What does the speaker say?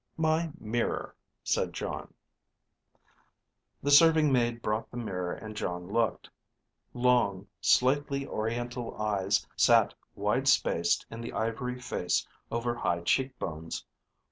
"My mirror," said Jon. The serving maid brought the mirror and Jon looked. Long, slightly oriental eyes sat wide spaced in the ivory face over high cheekbones.